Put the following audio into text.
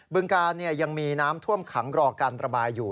ึงกาลยังมีน้ำท่วมขังรอการระบายอยู่